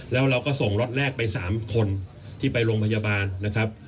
แล้วเราก็ส่งล็อตแรกไป๓คนที่ไปโรงพยาบาลนะครับ